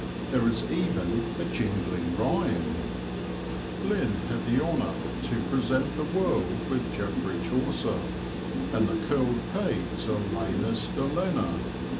There is even a jingling rhyme Lynn had the honour to present the world With Geoffrey Chaucer and the curled Pate Alanus de Lenna.